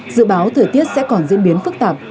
dự báo thời tiết sẽ còn diễn biến phức tạp